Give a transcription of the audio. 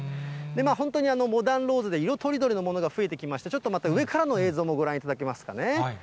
本当にモダンローズで色とりどりのものが増えてきまして、ちょっとまた上からの映像もご覧いただけますかね。